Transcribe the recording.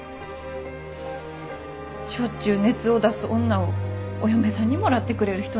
しょっちゅう熱を出す女をお嫁さんにもらってくれる人なんか。